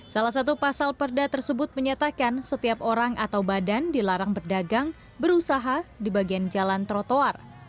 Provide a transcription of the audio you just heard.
salah satu pasal perda tersebut menyatakan setiap orang atau badan dilarang berdagang berusaha di bagian jalan trotoar